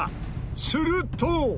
すると。